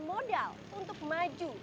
modal untuk maju